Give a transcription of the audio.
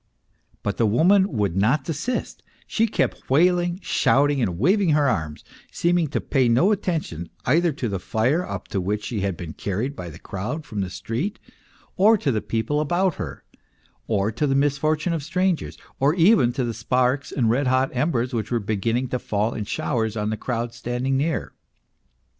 But the woman would not desist, she kept wailing, shouting, and waving her arms, seeming to pay no attention either to the fire up to which she had been carried by the crowd from the street or to the people about her, or to the misfortune of strangers, or even to the sparks and red hot embers which were beginning to fall in showers on the crowd standing near.